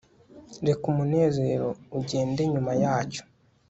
Reka umunezero ugende nyuma yacyo